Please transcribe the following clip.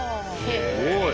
すごい。